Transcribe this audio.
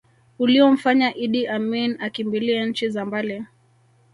Uliomfanya Iddi Amini akimbilie nchi za mbali